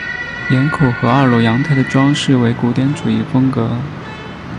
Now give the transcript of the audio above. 檐口和二楼阳台的装饰为古典主义风格。